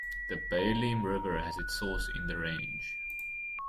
The Baliem River has its source in the range.